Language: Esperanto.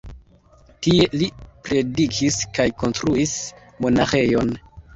Tie li predikis kaj konstruis monaĥejon.